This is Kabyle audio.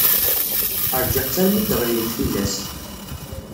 Ṛjiɣ-tt armi i d-ɣlint tillas.